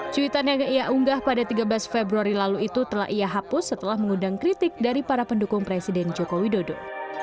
cuitan yang ia unggah pada tiga belas februari lalu itu telah ia hapus setelah mengundang kritik dari para pendukung presiden joko widodo